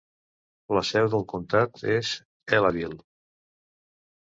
La seu del comtat és Ellaville.